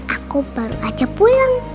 aku baru aja pulang